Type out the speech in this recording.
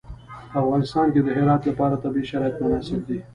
په افغانستان کې د هرات لپاره طبیعي شرایط مناسب دي.